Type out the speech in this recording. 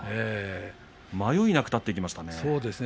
迷いなく立っていきましたね。